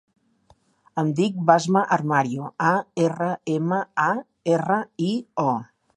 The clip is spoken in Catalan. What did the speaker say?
Em dic Basma Armario: a, erra, ema, a, erra, i, o.